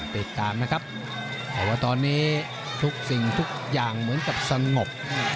ติดตามนะครับเพราะว่าตอนนี้ทุกสิ่งทุกอย่างเหมือนกับสงบ